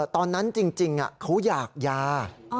ตอนนั้นจริงเขาอยากยา